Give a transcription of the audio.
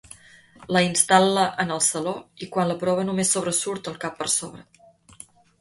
La instal·la en el saló i quan la prova només sobresurt el cap per sobre.